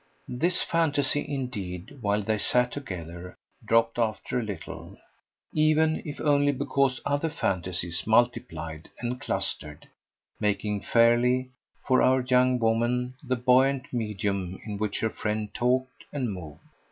This fantasy indeed, while they sat together, dropped after a little; even if only because other fantasies multiplied and clustered, making fairly, for our young woman, the buoyant medium in which her friend talked and moved.